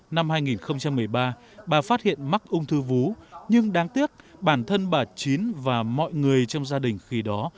năm hai nghìn một mươi ba bà phát hiện mắc ung thư vú nhưng đáng tiếc bản thân bà chín và mọi người trong gia đình khi đó